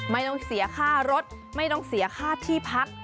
ไม่ต้องเสียค่ารถไม่ต้องเสียค่าที่พัก